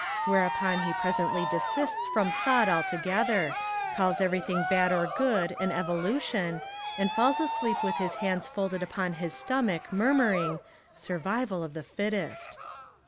Whereupon he presently desists from thought altogether, calls everything bad or good an evolution, and falls asleep with his hands folded upon his stomach murmuring, "survival of the fittest."